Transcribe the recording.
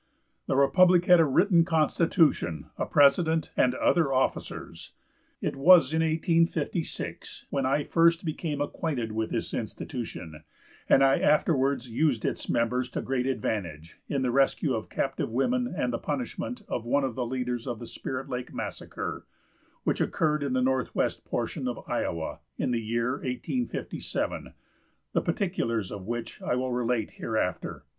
The republic had a written constitution, a president and other officers. It was in 1856 when I first became acquainted with this institution, and I afterwards used its members to great advantage, in the rescue of captive women and the punishment of one of the leaders of the Spirit Lake massacre, which occurred in the northwestern portion of Iowa, in the year 1857, the particulars of which I will relate hereafter.